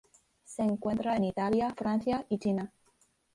Se encuentra en Italia, Francia y China.